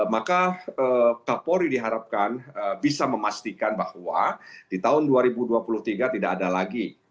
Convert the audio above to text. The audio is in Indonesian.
maka kapolri diharapkan bisa memastikan bahwa di tahun dua ribu dua puluh tiga tidak ada lagi